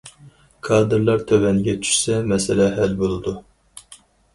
كادىرلار تۆۋەنگە چۈشسە مەسىلە ھەل بولىدۇ.